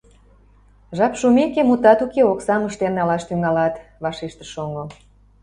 — Жап шумеке, мутат уке, оксам ыштен налаш тӱҥалат, — вашештыш шоҥго.